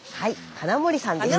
金森さんでした。